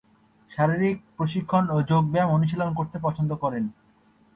শারীরিক প্রশিক্ষণ ও যোগব্যায়াম অনুশীলন করতে পছন্দ করেন।